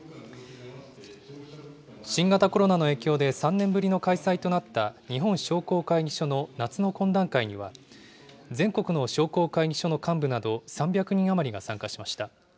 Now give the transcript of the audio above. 新型コロナの影響で、３年ぶりの開催となった日本商工会議所の夏の懇談会には、全国の商工会議所の幹部など３００人余りが参加しました。